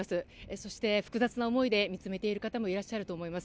そして、複雑な思いで見つめている方もいらっしゃると思います。